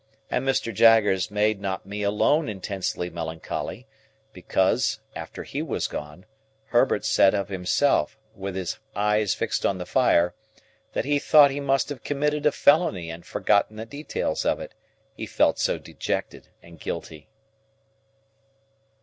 And Mr. Jaggers made not me alone intensely melancholy, because, after he was gone, Herbert said of himself, with his eyes fixed on the fire, that he thought he must have committed a felony and forgotten the details of it, he felt so dejected and guilty.